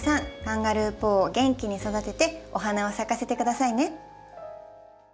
カンガルーポーを元気に育ててお花を咲かせて下さいね。